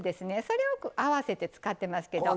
それを合わせて使ってますけど。